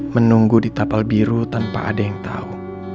menunggu di tapal biru tanpa ada yang tahu